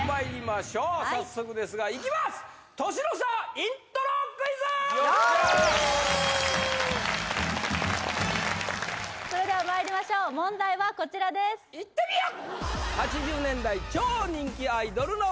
イントロクイズそれではまいりましょう問題はこちらですいってみよう！